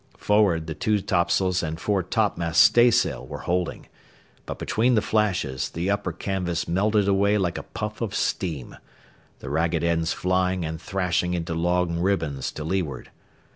Forward, the two topsails and fore topmast staysail were holding, but between the flashes the upper canvas melted away like a puff of steam, the ragged ends flying and thrashing into long ribbons to leeward.